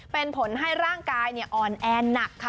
เป็นผลให้ร่างกายอ่อนแอหนักค่ะ